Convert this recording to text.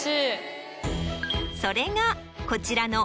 それがこちらの。